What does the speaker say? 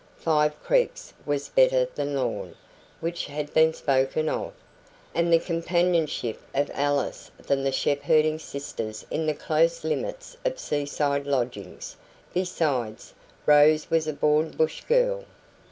Five Creeks was better than Lorne, which had been spoken of, and the companionship of Alice than the shepherding sisters in the close limits of seaside lodgings; besides, Rose was a born bush girl.